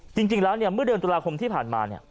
จริงแล้วเนี่ยเมื่อเดือนตุลาคมที่ผ่านมาเนี่ย